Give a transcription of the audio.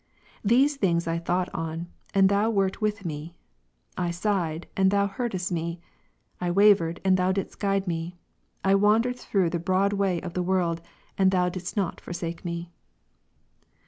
These things I thought on, and Thou wert with me ; I sighed, and Thou heardest me ; I wavered, and Thou didst guide me ; I wandered through the broad way of the world, and Thou didst not forsake me.